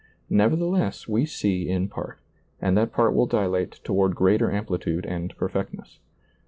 Nevertheless we see in part, and that part will dilate toward greater amplitude and perfectness.